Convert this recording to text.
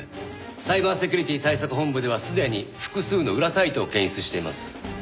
サイバーセキュリティ対策本部ではすでに複数の裏サイトを検出しています。